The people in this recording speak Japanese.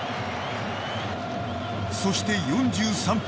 そして４３分。